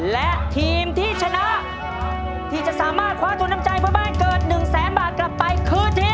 และทีมที่ชนะที่จะสามารถคว้าทุนน้ำใจเพื่อบ้านเกิด๑แสนบาทกลับไปคือทีม